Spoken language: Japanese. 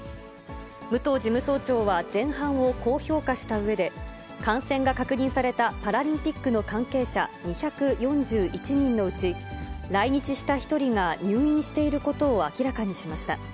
武藤事務総長は前半をこう評価したうえで、感染が確認されたパラリンピックの関係者２４１人のうち、来日した１人が入院していることを明らかにしました。